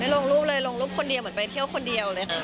ลงรูปเลยลงรูปคนเดียวเหมือนไปเที่ยวคนเดียวเลยค่ะ